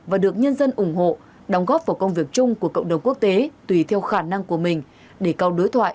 và được nhân dân ủng hộ đóng góp vào công việc chung của cộng đồng quốc tế tùy theo khả năng của mình để cao đối thoại